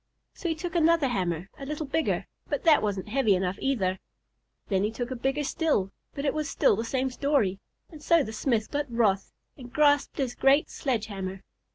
So he took another hammer a little bigger, but that wasn't heavy enough either. Then he took one bigger still, but it was still the same story; and so the smith got wroth, and grasped his great sledge hammer.